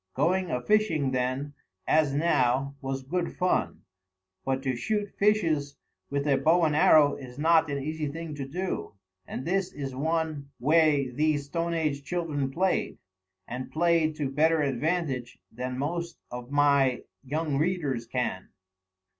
Going a fishing, then, as now, was good fun; but to shoot fishes with a bow and arrow is not an easy thing to do, and this is one way these stone age children played, and played to better advantage than most of my young readers can.